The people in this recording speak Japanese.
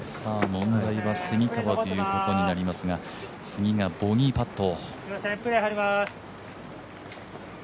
問題は蝉川ということになりますが次がボギーパット。